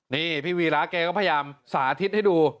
นี่พี่วีระแกก็พยายามสาธิตให้ดู